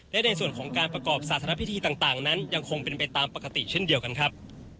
และในส่วนของการประกอบศาสนพิธีต่างนั้นยังคงเป็นไปตามปกติเช่นเดียวกันครับ